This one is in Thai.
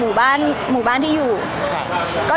พี่ตอบได้แค่นี้จริงค่ะ